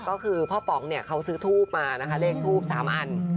ก็คือพ่อป๋องเนี่ยเขาซื้อทูปมานะคะเลขทูบ๓อัน